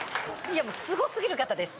すご過ぎる方です。